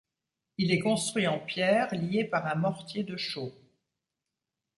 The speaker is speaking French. Il est construit en pierres liées par un mortier de chaux.